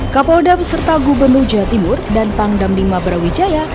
kapolda beserta gubernur jawa timur dan pangdam lima brawijaya